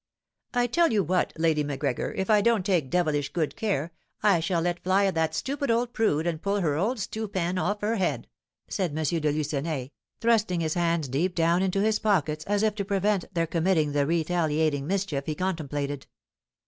"I tell you what, Lady Macgregor, if I don't take devilish good care, I shall let fly at that stupid old prude and pull her old stew pan off her head," said M. de Lucenay, thrusting his hands deep down into his pockets as if to prevent their committing the retaliating mischief he contemplated.